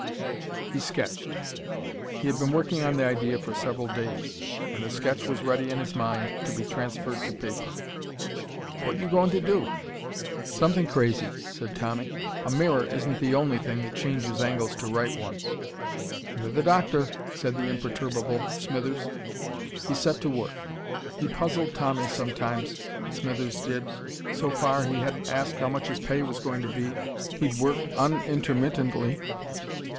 He sketched. He had been working on the idea for several days, and the sketch was ready in his mind to be transferred to paper. "What you goin' to do?" "Something crazy," said Tommy. "A mirror isn't the only thing that changes angles to right ones." "You're the doctor," said the imperturbable Smithers. He set to work. He puzzled Tommy sometimes, Smithers did. So far he hadn't asked how much his pay was going to be. He'd worked unintermittantly.